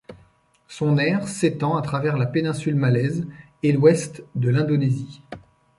Son aire s'étend à travers la péninsule Malaise et l'ouest de l'Indonésie.